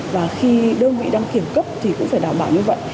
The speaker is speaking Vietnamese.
và khi đơn vị đăng kiểm cấp thì cũng phải đảm bảo như vậy